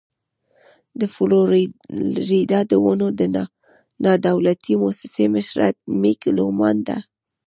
د فلوريډا د ونو د نادولتي مؤسسې مشره مېګ لومان ده.